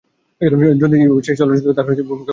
যদিও সেই চলচ্চিত্রে তার ভূমিকা ছিল খুবই ছোট।